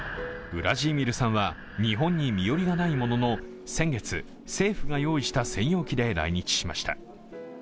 ウラジーミルさんは日本に身寄りがないものの先月、政府が用意した専用機で来日しました。